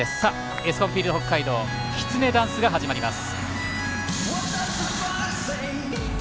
エスコンフィールド北海道「きつねダンス」が始まります。